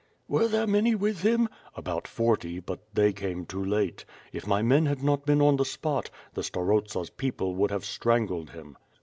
'^ere there many with him?" "About forty, but they came too late. If my men had not been on the spot, the starosta's people would have strangled him."